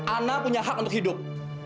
ana punya hak untuk hidup